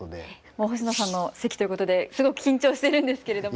もう星野さんの席ということですごく緊張してるんですけれども。